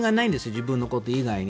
自分のこと以外に。